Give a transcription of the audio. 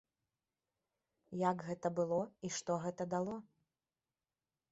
Як гэта было і што гэта дало?